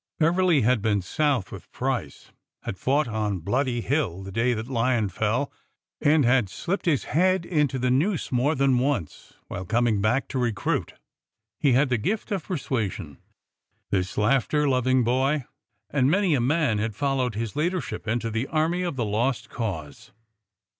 1 Beverly had been South with Price ; had fought on Bloody Hill the day that Lyon fell ; and had slipped his head into the noose more than once while coming back to recruit. He had the gift of persuasion, this laughter loving boy, and many a man had followed his leader ship into the army of the Lost Cause.